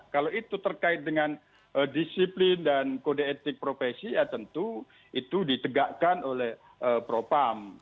kalau itu terkait dengan disiplin dan kode etik profesi ya tentu itu ditegakkan oleh propam